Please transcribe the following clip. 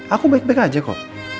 aku baik baik aja kok